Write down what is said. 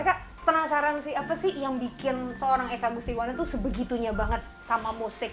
eka penasaran sih apa sih yang bikin seorang eka gustiwan itu sebegitunya banget sama musik